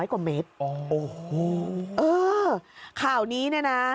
กว่าเมตรโอ้โหเออข่าวนี้เนี่ยนะ